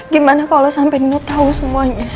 gimana kalo sampe nino tau semuanya